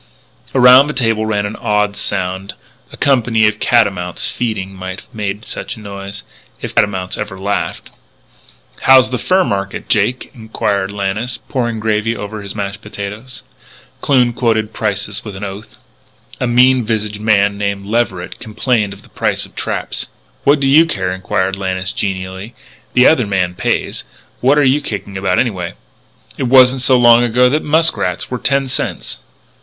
Around the table ran an odd sound a company of catamounts feeding might have made such a noise if catamounts ever laugh. "How's the fur market, Jake?" inquired Lannis, pouring gravy over his mashed potato. Kloon quoted prices with an oath. A mean visaged young man named Leverett complained of the price of traps. "What do you care?" inquired Lannis genially. "The other man pays. What are you kicking about, anyway? It wasn't so long ago that muskrats were ten cents."